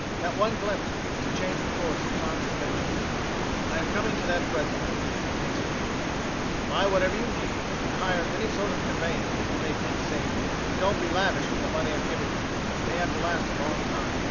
That one glimpse was to change the course of Tom's adventures. "I am coming to that presently," answered Andrews. "Buy whatever you need, and hire any sort of conveyance that you may think safe. But don't be lavish with the money I'm giving you it may have to last a long time.